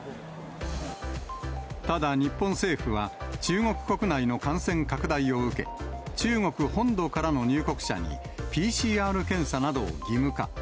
ただ日本政府は、中国国内の感染拡大を受け、中国本土からの入国者に、ＰＣＲ検査などを義務化。